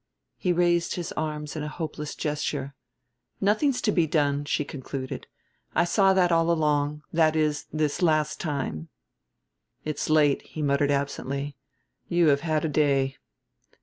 He raised his arms in a hopeless gesture. "Nothing's to be done," she concluded. "I saw that all along; that is, this last time." "It's late," he muttered absently; "you have had a day."